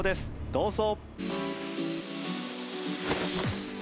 どうぞ。